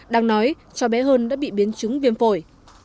đang nói cho bé hơn đã bị biến chứng viêm phổi